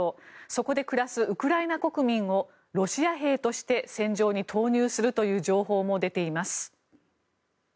そこで暮らすウクライナ国民をロシア兵として戦場に投入するという情報も出ています。